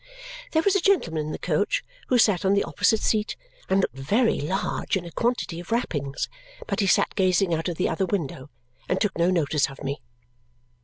There was a gentleman in the coach who sat on the opposite seat and looked very large in a quantity of wrappings, but he sat gazing out of the other window and took no notice of me.